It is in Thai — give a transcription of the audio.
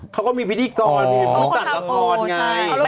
เขาก็มีพิธีกรมีผู้จัดละครไง